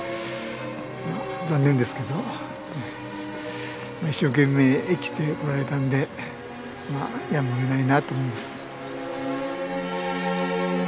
まあ残念ですけどね一生懸命生きておられたのでやむを得ないなと思います。